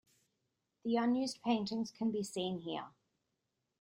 The unused paintings can be seen here.